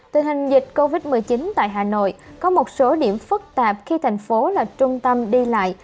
tình hình dịch covid một mươi chín tại hà nội có một số điểm phức tạp khi thành phố là trung tâm đi lại